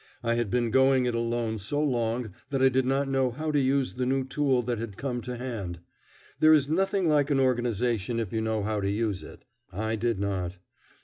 I had been going it alone so long that I did not know how to use the new tool that had come to hand. There is nothing like an organization if you know how to use it. I did not.